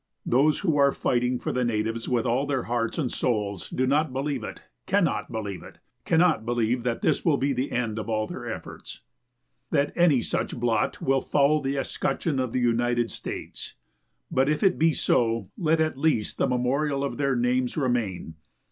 Those who are fighting for the natives with all their hearts and souls do not believe it, cannot believe it, cannot believe that this will be the end of all their efforts, that any such blot will foul the escutcheon of the United States. But if it be so, let at least the memorial of their names remain.